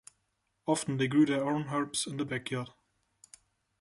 Often they grew their own herbs in the backyard.